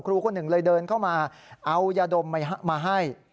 ครูคนหนึ่งเลยเดินเข้ามาเอายาดมมาให้